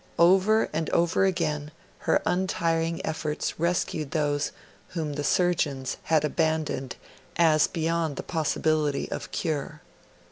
Over and over again her untiring efforts rescued those whom the surgeons had abandoned as beyond the possibility of cure.